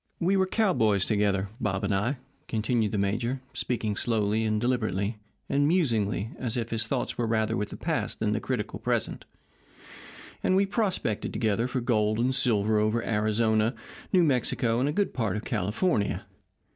"We were cowboys together, Bob and I," continued the major, speaking slowly, and deliberately, and musingly, as if his thoughts were rather with the past than the critical present, "and we prospected together for gold and silver over Arizona, New Mexico, and a good part of California.